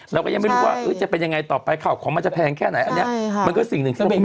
เราก็ยังไม่รู้ว่าจะเป็นยังไงต่อไปข่าวของมันจะแพงแค่ไหนอันนี้มันก็สิ่งหนึ่งที่มี